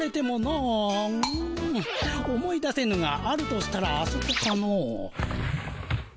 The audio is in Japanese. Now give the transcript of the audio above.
うん思い出せぬがあるとしたらあそこかの。